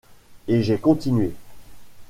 Et j’ai continué...